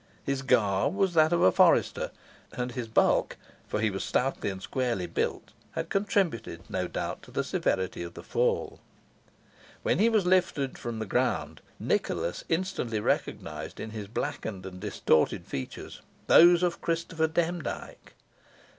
His garb was that of a forester, and his bulk for he was stoutly and squarely built had contributed, no doubt, to the severity of the fall. When he was lifted from the ground, Nicholas instantly recognised in his blackened and distorted features those of Christopher Demdike.